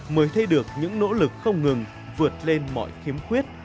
mới thấy được những nỗ lực không ngừng vượt lên mọi khiếm khuyết